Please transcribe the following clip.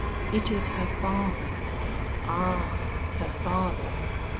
It is her father " "Ah, her father!"